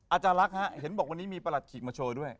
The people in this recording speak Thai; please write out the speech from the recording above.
อาจารย์ลักษณ์ฮะเห็นบอกวันนี้มีประหลัดขีกมาโชว์ด้วย